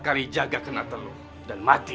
kali jaga kena teluk dan mati